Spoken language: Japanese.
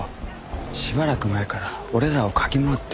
しばらく前から俺らを嗅ぎ回ってる。